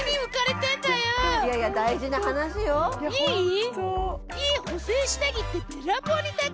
いやいや大事な話よホント